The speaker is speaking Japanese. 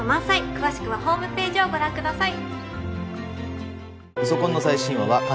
詳しくはホームページをご覧ください。